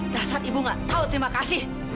dah saat ibu nggak tahu terima kasih